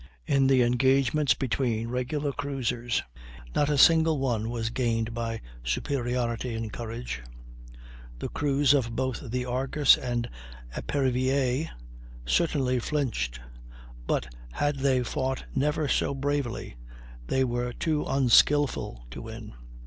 In the engagements between regular cruisers, not a single one was gained by superiority in courage. The crews of both the Argus and Epervier certainly flinched; but had they fought never so bravely they were too unskilful to win.